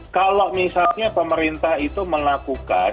kalau misalnya pemerintah itu melakukan